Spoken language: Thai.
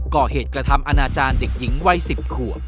ก่อเหตุกระทำอนาจารย์เด็กหญิงวัย๑๐ขวบ